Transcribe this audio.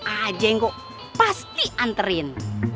ajeng kok pasti anterin